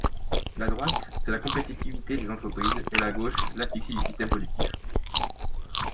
La droite, c’est la compétitivité des entreprises et la gauche, l’asphyxie du système productif.